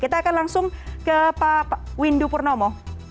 kita akan langsung ke pak windu purnomo